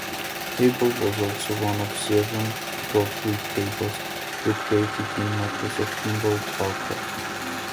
The table was also one of seven Gottlieb tables recreated in "Microsoft Pinball Arcade".